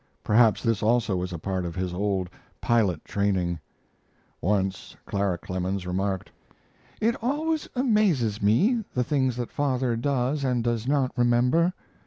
Perhaps this also was a part of his old pilot training. Once Clara Clemens remarked: "It always amazes me the things that father does and does not remember.